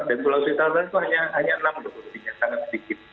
dan sulawesi utara itu hanya enam lho kursinya sangat sedikit